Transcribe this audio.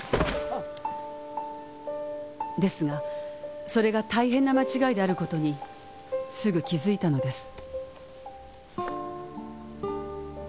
「ですがそれが大変な間違いである事にすぐ気づいたのです」